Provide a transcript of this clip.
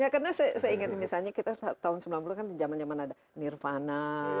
karena saya ingat misalnya kita tahun sembilan puluh kan zaman zaman ada nirvana